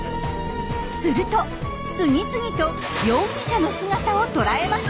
すると次々と容疑者の姿を捉えました！